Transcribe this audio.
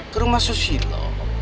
ke rumah susilo